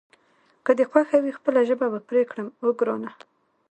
که دې خوښه وي خپله ژبه به پرې کړم، اوه ګرانه.